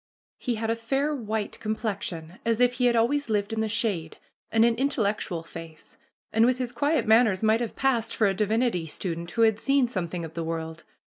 He had a fair white complexion as if he had always lived in the shade, and an intellectual face, and with his quiet manners might have passed for a divinity student who had seen something of the world.